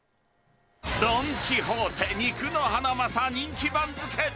ドンキホーテ、肉のハナマサ人気番付。